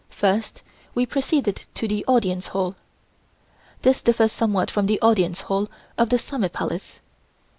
First we proceeded to the Audience Hall. This differs somewhat from the Audience Hall of the Summer Palace.